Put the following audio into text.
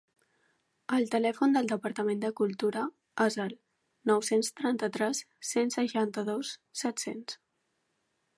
El telèfon del Departament de Cultura és el nou-cents trenta-tres cent seixanta-dos set-cents.